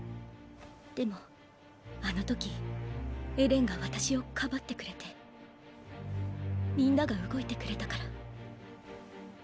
でもあの時エレンが私を庇ってくれてみんなが動いてくれたから。